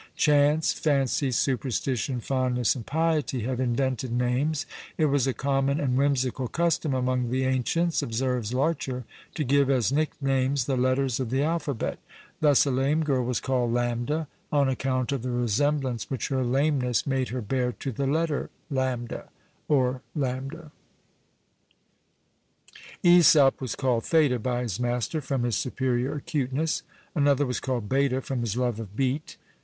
Chance, fancy, superstition, fondness, and piety, have invented names. It was a common and whimsical custom among the ancients, (observes Larcher) to give as nicknames the letters of the alphabet. Thus a lame girl was called Lambda, on account of the resemblance which her lameness made her bear to the letter ÎṠ, or lambda! Ãsop was called Theta by his master, from his superior acuteness. Another was called Beta, from his love of beet.